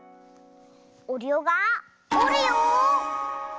おるよがおるよ。